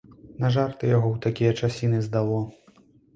На жарты яго ў такія часіны здало.